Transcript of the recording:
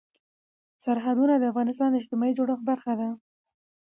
سرحدونه د افغانستان د اجتماعي جوړښت برخه ده.